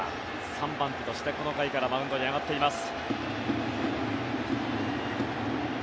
３番手としてこの回からマウンドに上がっています。